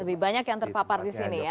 lebih banyak yang terpapar di sini ya